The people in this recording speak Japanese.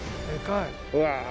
うわ。